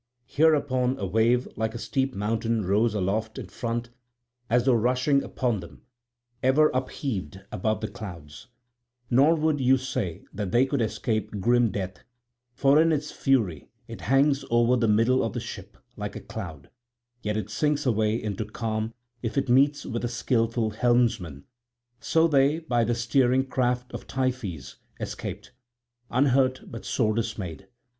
Hereupon a wave like a steep mountain rose aloft in front as though rushing upon them, ever upheaved above the clouds; nor would you say that they could escape grim death, for in its fury it hangs over the middle of the ship, like a cloud, yet it sinks away into calm if it meets with a skilful helmsman. So they by the steering craft of Tiphys escaped, unhurt but sore dismayed.